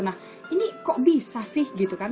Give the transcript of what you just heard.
nah ini kok bisa sih gitu kan